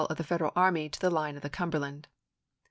of the Federal army to the line of the Cumberland.